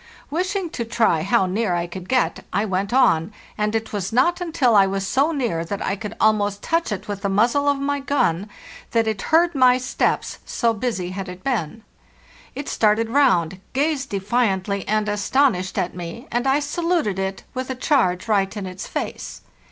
Wishing to try how near I could get, I went on, and it was not until I was so near that I could almost touch it with the muz zle of my gun that it heard my steps, so busy had it been. It started round, gazed defiantly and astonished at me, and I saluted it with a charge right in its face.